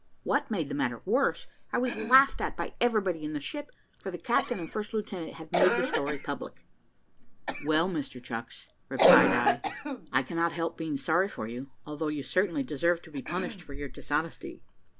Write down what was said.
What made the matter worse, I was laughed at by everybody in the ship, for the captain and first lieutenant had made the story public." "Well, Mr Chucks," replied I, "I cannot help being sorry for you, although you certainly deserved to be punished for your dishonesty.